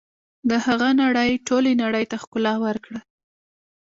د هغه نړۍ ټولې نړۍ ته ښکلا ورکړه.